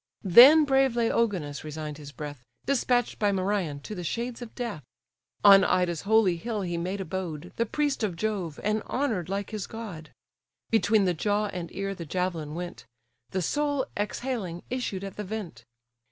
Then brave Laogonus resign'd his breath, Despatch'd by Merion to the shades of death: On Ida's holy hill he made abode, The priest of Jove, and honour'd like his god. Between the jaw and ear the javelin went; The soul, exhaling, issued at the vent.